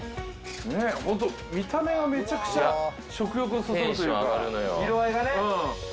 見た目がめちゃくちゃ食欲をそそるというか。